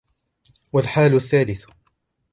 وَالْحَالُ الثَّالِثُ